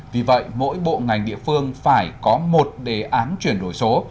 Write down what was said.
vì vậy mỗi bộ ngành địa phương phải có một đề án chuyển đổi số